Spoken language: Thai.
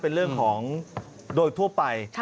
เป็นเรื่องของโดยทั่วไป